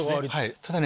ただね